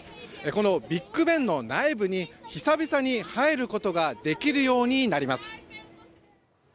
このビッグ・ベンの内部に久々に入ることができるようになります。